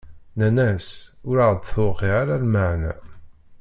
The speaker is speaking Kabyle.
Nnan-as: Ur aɣ-d-tewqiɛ ara lmeɛna!